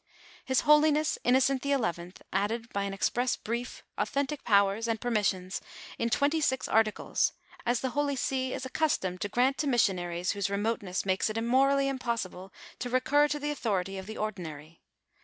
His holiness Innocent XI., added by an express brief, authentic powers, and permissions in twenty six articles, as the holy see is ac customed to grant to missionaries whose remoteness makes it morally impossible to recur to the authority of the ordinaiy.